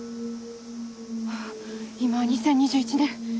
ううん今は２０２１年。